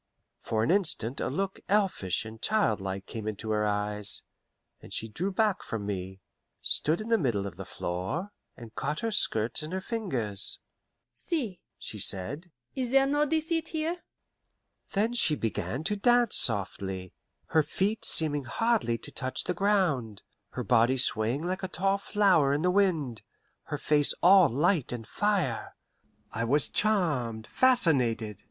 For an instant a look elfish and childlike came into her eyes, and she drew back from me, stood in the middle of the floor, and caught her skirts in her fingers. "See," she said, "is there no deceit here?" Then she began to dance softly, her feet seeming hardly to touch the ground, her body swaying like a tall flower in the wind, her face all light and fire. I was charmed, fascinated.